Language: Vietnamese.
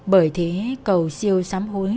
bởi thế cầu siêu xám hối